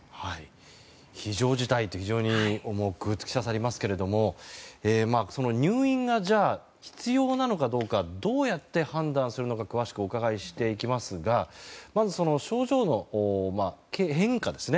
非常事態というと非常に重く突き刺さりますけども入院が必要なのかどうかどうやって判断するのか詳しくお伺いしていきますがまず、症状の変化ですね。